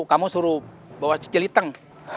kamu suruh bawa jeliteng